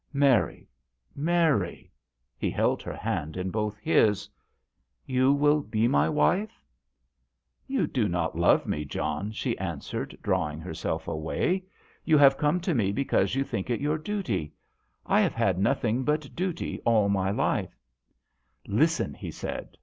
Mary Mary," he held her hand in both his " you will be my wife ?"" You do not love me, John," she answered, drawing herself away. " You have come to me .because you think it your duty. JOHN SHERMAN. 157 I have had nothing but duty all my life." " Listen," he said.